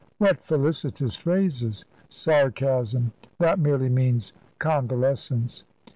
"What felicitous phrases!" "Sarcasm! That surely means convalescence."